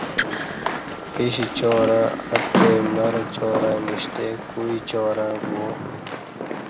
پیش چارں اتّے مرچارں نشتے کوعی چارں گُوا